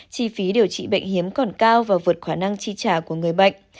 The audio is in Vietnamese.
chi phí điều trị bệnh hiếm còn cao và vượt khả năng chi trả của người bệnh